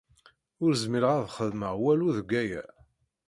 Ur zmireɣ ad xedmeɣ walu deg aya.